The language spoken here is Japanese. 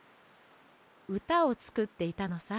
うたをつくっていたのさ。